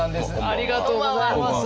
ありがとうございます。